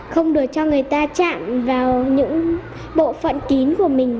không được cho người ta chạm vào những bộ phận kín của mình